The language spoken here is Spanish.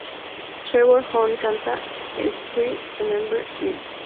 Trevor Horn canta "Elstree, remember me?